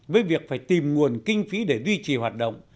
với việc phải tìm nguồn kinh phí để duy trì hoạt động